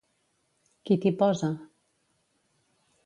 Qui t'hi posa?